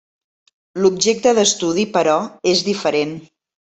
L'objecte d'estudi, però, és diferent.